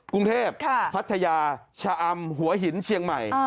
กรุงเทพพัทยาชะอำหัวหินเชียงใหม่